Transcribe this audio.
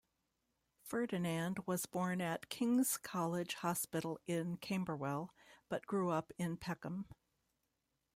Ferdinand was born at King's College Hospital in Camberwell, but grew up in Peckham.